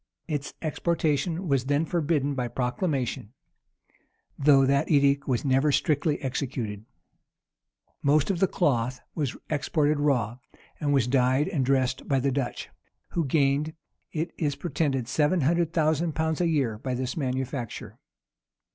Its exportation was then forbidden by proclamation; though that edict was never strictly executed. Most of the cloth was exported raw, and was dyed and dressed by the Dutch; who gained, it is pretended, seven hundred thousand pounds a year by this manufacture.